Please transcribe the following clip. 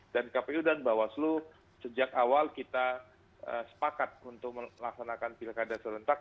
dan kpu dan mbak waslu sejak awal kita sepakat untuk melaksanakan pilkada serentak